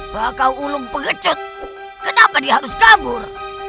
bakaulung pegecut kenapa dia harus kabur